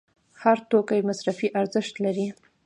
هر توکی مصرفي ارزښت لري.